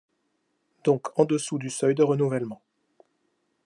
Donc en dessous du seuil de renouvellement.